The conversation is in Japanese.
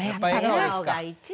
笑顔が一番。